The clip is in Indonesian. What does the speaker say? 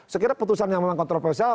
sekiranya putusan yang memang kontroversial